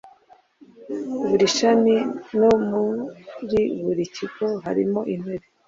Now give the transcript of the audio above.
buri shami no muri buri kigo harimo intebe